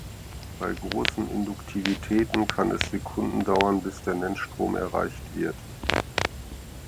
Bei großen Induktivitäten kann es Sekunden dauern, bis der Nennstrom erreicht wird.